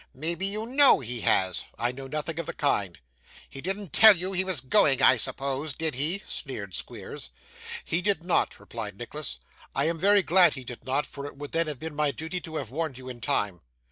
'Maybe you know he has?' 'I know nothing of the kind.' 'He didn't tell you he was going, I suppose, did he?' sneered Squeers. 'He did not,' replied Nicholas; 'I am very glad he did not, for it would then have been my duty to have warned you in time.